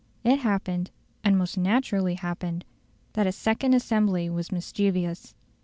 It happened and most naturally happened that a second assembly was mischievous.